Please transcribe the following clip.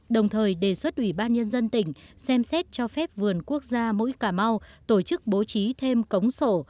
đồng thời đề xuất ubnd tỉnh xem xét cho phép vườn quốc gia mũi cả mau tổ chức bố trí thêm cống sổ